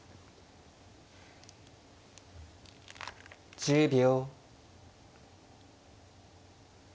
１０秒。